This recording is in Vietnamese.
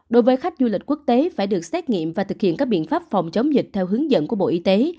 đối với khách du lịch quốc tế phải được xét nghiệm và thực hiện các biện pháp phòng chống dịch theo hướng dẫn của bộ y tế